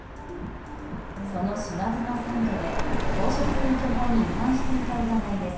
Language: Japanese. その４月の選挙で、公職選挙法に違反していた疑いです。